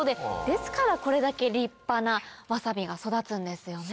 ですからこれだけ立派なわさびが育つんですよね。